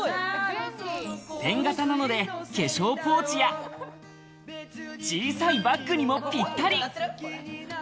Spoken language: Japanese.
ペン型なので、化粧ポーチや小さいバッグにもぴったり！